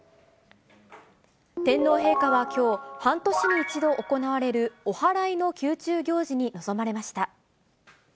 天皇陛下はきょう、半年に一度行われるおはらいの宮中行事に臨まれました。